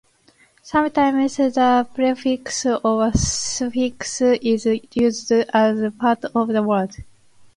Sometimes the prefix or suffix is used as part of the word.